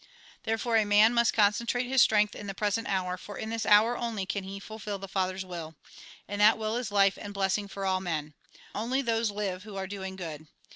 Therefore a man must concentrate his strength in the present hour, for in this hour only can he fulfil the Father's will. And that will is life and blessing for all men. Only those live who are doing good.